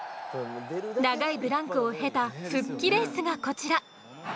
長いブランクを経た復帰レースがこちら。